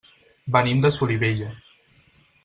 Venim de Solivella.